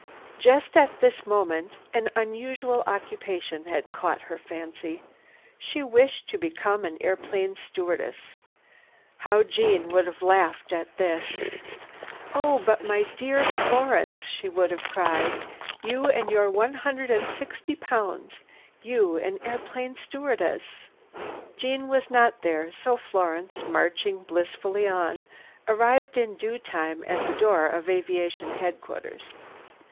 Just at this moment an unusual occupation had caught her fancy; she wished to become an airplane stewardess. How Jeanne would have laughed at this. "Oh, but my dear Florence!" she would have cried, "You and your one hundred and sixty pounds! You an airplane stewardess!" Jeanne was not there, so Florence, marching blissfully on, arrived in due time at the door of aviation headquarters.